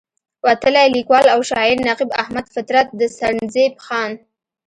وتلے ليکوال او شاعر نقيب احمد فطرت د سرنزېب خان